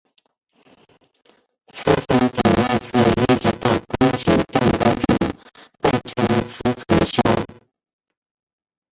磁层顶外侧一直到弓形震波处被称磁层鞘。